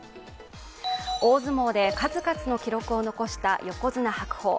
大相撲で数々の記録を残した横綱・白鵬。